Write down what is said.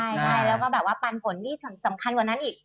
ใช่แล้วก็แบบว่าปันผลที่สำคัญกว่านั้นอีก